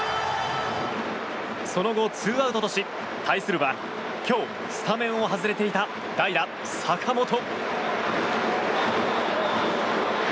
その後、ツーアウトとし対するは今日スタメンを外れていた代打、坂本。